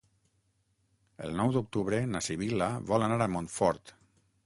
El nou d'octubre na Sibil·la vol anar a Montfort.